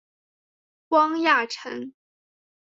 汪亚尘。